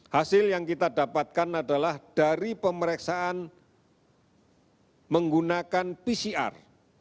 hasil yang kita dapatkan adalah dari pemeriksaan menggunakan pcr